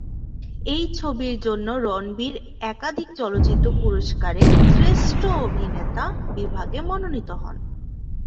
এই ছবির জন্য রণবীর একাধিক চলচ্চিত্র পুরস্কারে "শ্রেষ্ঠ অভিনেতা" বিভাগে মনোনীত হন।